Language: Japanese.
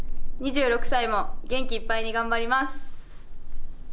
２６歳も元気いっぱいに頑張ります。